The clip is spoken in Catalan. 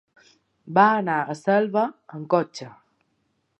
Va anar a Xelva amb cotxe.